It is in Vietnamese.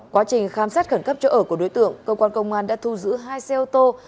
quá trình khám xét khẩn cấp chỗ ở của đối tượng cơ quan công an đã thu giữ hai xe ô tô